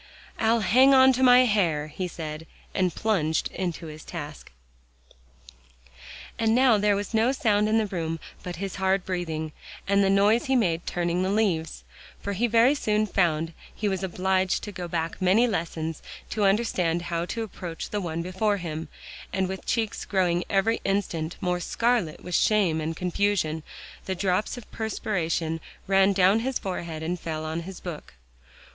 "I'll hang on to my hair," he said, and plunged into his task. And now there was no sound in the room but his hard breathing, and the noise he made turning the leaves, for he very soon found he was obliged to go back many lessons to understand how to approach the one before him; and with cheeks growing every instant more scarlet with shame and confusion, the drops of perspiration ran down his forehead and fell on his book.